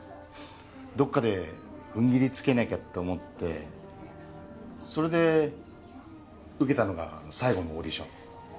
どっかでふんぎりつけなきゃって思ってそれで受けたのがあの最後のオーディション